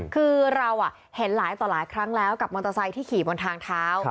คือเราเห็นหลายต่อหลายครั้งแล้วกับมอเตอร์ไซค์ที่ขี่บนทางเท้า